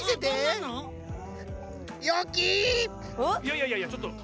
いやいやいやちょっと。